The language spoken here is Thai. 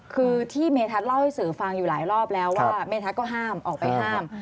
คือที่เมทัศน์เล่าให้สื่อฟังอยู่หลายรอบแล้วว่าเมทัศน์ก็ห้ามออกไปห้าม